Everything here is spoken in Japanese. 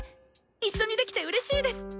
一緒にできてうれしいです！